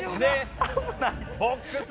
ボックス